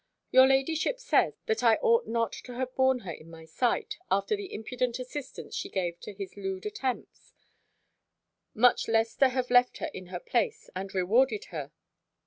Your ladyship says, that I ought not to have borne her in my sight, after the impudent assistance she gave to his lewd attempts; much less to have left her in her place, and rewarded her.